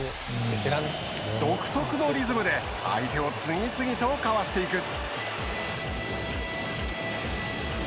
独特のリズムで相手を次々と、かわしていく。